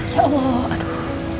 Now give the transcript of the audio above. ya allah aduh